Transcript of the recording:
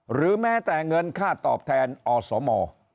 หรือแม้แต่เงินค่าตอบแทนอสม